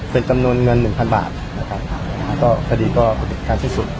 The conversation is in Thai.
เป็นจำนวนเงิน๑๐๐๐บาทที่สุด